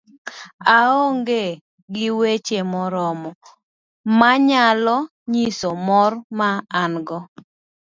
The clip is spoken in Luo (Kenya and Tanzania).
aong'e gi weche moromo manyalo nyiso mor ma an go